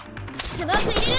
スモーク入れる！